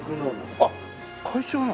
あっ会長の。